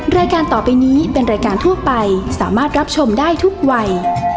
รายการต่อไปนี้เป็นรายการทั่วไปสามารถรับชมได้ทุกวัย